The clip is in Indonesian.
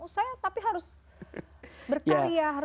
saya tapi harus berkarya